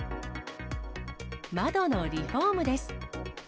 窓のリフォームです。